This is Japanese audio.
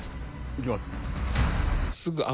いきます。